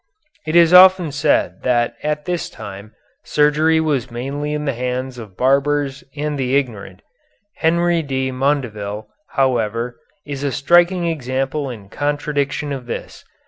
It is often said that at this time surgery was mainly in the hands of barbers and the ignorant. Henri de Mondeville, however, is a striking example in contradiction of this.